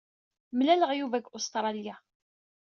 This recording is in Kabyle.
Mlelaeɣ-d Yuba deg Ustṛalya.